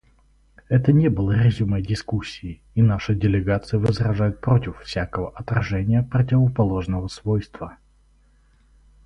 Это не было резюме дискуссии, и наша делегация возражает против всякого отражения противоположного свойства.